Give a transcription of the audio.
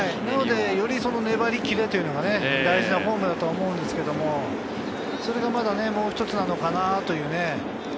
より粘り、切れというのが大事なフォームだと思うんですけど、それがもう一つなのかなという。